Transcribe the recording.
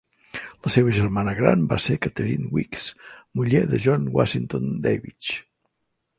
La seva germana gran va ser Katherine Weeks, muller de John Washington Davidge.